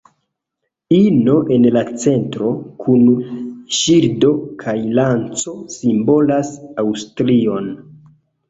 Ino en la centro, kun ŝildo kaj lanco simbolas Aŭstrion.